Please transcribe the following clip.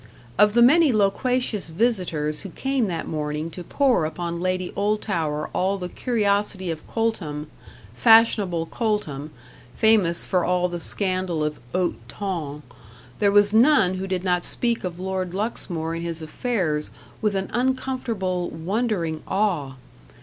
Of the many loquacious visitors who came that morning to pour upon Lady Oldtower all the curiosity of Coltham fashionable Coltham, famous for all the scandal of haut ton there was none who did not speak of Lord Luxmore and his affairs with an uncomfortable, wondering awe.